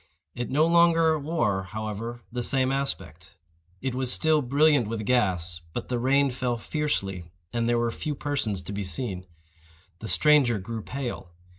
It no longer wore, however, the same aspect. It was still brilliant with gas; but the rain fell fiercely, and there were few persons to be seen. The stranger grew pale.